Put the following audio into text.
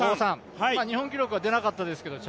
日本記録は出なかったですけれども、